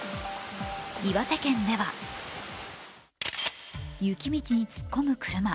岩手県では雪道に突っ込む車。